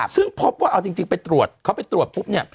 ซึ่งพบว่าเอาจริงไปตรวจเขาไปตรวจปุ๊บเนี่ย